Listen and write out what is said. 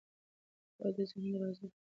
پوهه د ذهن دروازې خلاصوي.